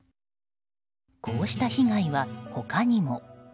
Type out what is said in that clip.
こうした被害は他にも。